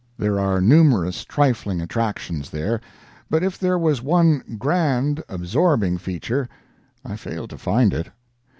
There are numerous trifling attractions there, but if there was one grand, absorbing feature, I failed to find it.